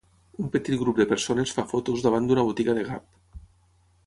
Un petit grup de persones fa fotos davant d'una botiga de Gap.